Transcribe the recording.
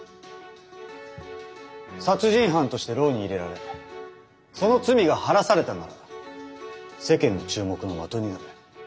殺人犯として牢に入れられその罪が晴らされたなら世間の注目の的になる。